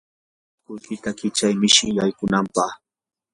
punkuykita kichay mishi yaykunapaq.